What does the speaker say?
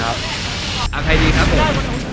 ใครดีครับผม